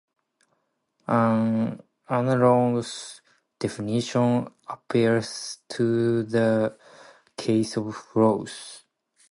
An analogous definition applies to the case of flows.